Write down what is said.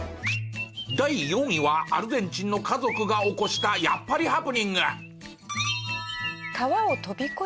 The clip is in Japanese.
第４位はアルゼンチンの家族が起こしたやっぱりハプニング。